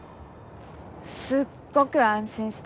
すっごく安心した。